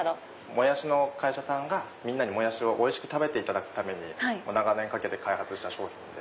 モヤシの会社さんがみんなにモヤシをおいしく食べていただくために長年かけて開発した商品で。